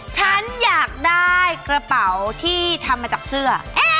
ฉันอยากได้กระเป๋าที่ทำมาจากเสื้อ